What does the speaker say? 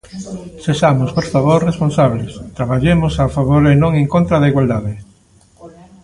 Sexamos, ¡por favor!, responsables; traballemos a favor e non en contra da igualdade.